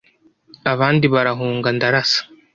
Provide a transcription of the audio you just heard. abandi barahunga ndarasa